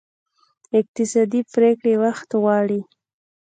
اقتصادي پرېکړې وخت غواړي.